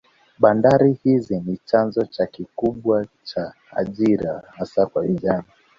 Bandari hizi ni chanzo cha kikubwa cha ajira hasa kwa vijana